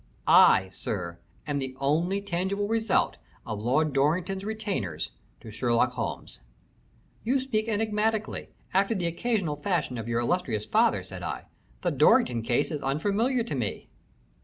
I, sir, am the only tangible result of Lord Dorrington's retainers to Sherlock Holmes." "You speak enigmatically, after the occasional fashion of your illustrious father," said I. "The Dorrington case is unfamiliar to me."